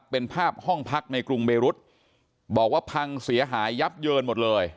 เป็นภาพห้องพักในกรุงเบรุษบอกว่าพังเสียหายยับเยินหมดเลย